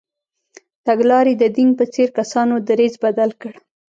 تګلارې د دینګ په څېر کسانو دریځ بدل کړ.